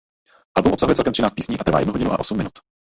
Album obsahuje celkem třináct písní a trvá jednu hodinu a osm minut.